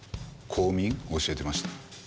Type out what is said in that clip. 公民教えてました。